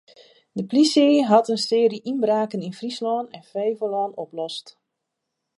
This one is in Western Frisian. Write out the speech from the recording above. De polysje hat in searje ynbraken yn Fryslân en Flevolân oplost.